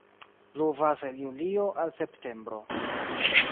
Pluvas el julio al septembro.